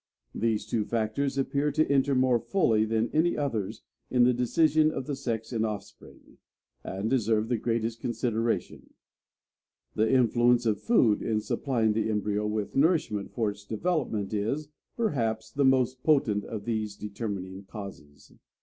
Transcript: These two factors appear to enter more fully than any others in the decision of the sex in offspring, and deserve the greatest consideration. The influence of food in supplying the embryo with nourishment for its development is, perhaps, the most potent of these determining causes."